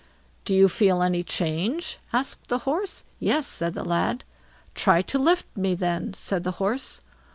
"Do you feel any change?" asked the Horse. "Yes", said the lad. "Try to lift me, then", said the Horse.